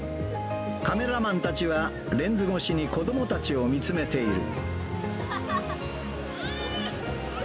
カメラマンたちはレンズ越しに子どもたちを見つめている。